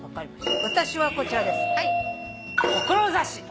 私はこちらです。